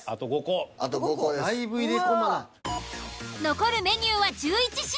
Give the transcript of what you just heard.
残るメニューは１１品